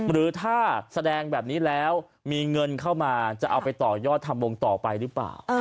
หรือถ้าแสดงแบบนี้แล้วมีเงินเข้ามาจะเอาไปต่อยอดทำวงต่อไปหรือเปล่า